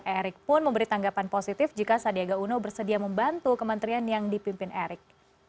erick pun memberi tanggapan positif jika sandiaga uno bersedia membantu kementerian yang dipimpin erick